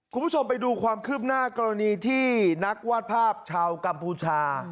คุณผู้ชมไปดูความคืบหน้ากรณีที่นักวาดภาพชาวกัมพูชา